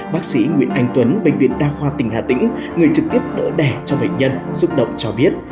bác sĩ nguyễn anh tuấn bệnh viện đa khoa tỉnh hà tĩnh người trực tiếp đỡ đẻ cho bệnh nhân xúc động cho biết